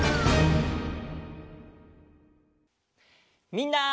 みんな！